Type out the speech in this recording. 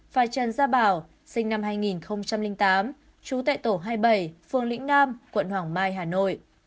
và trần gia bảo sinh năm hai nghìn tám chú tệ tổ hai mươi bảy phường lĩnh nam quận hoàng mai hà nội